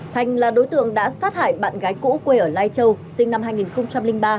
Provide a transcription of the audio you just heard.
thành là đối tượng đã sát hại bạn gái cũ quê ở lai châu sinh năm hai nghìn ba